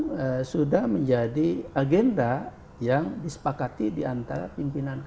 ya itu memang sudah menjadi agenda yang disepakati diantara pimpinan kpk